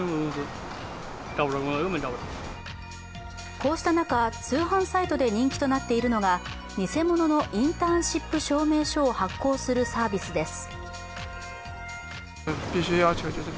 こうした中、通販サイトで人気となっているのが偽物のインターンシップ証明書を発行するサービスです。